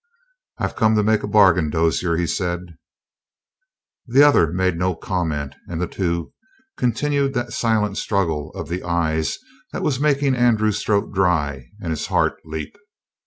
"I've come to make a bargain, Dozier," he said. The other made no comment, and the two continued that silent struggle of the eyes that was making Andrew's throat dry and his heart leap.